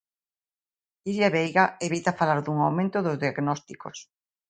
Iria Veiga evita falar dun aumento dos diagnósticos.